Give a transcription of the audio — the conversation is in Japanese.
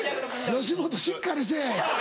吉本しっかりせぇ！